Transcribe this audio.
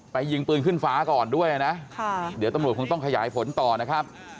ยิงปืนขึ้นฟ้าก่อนด้วยนะเดี๋ยวตำรวจคงต้องขยายผลต่อนะครับ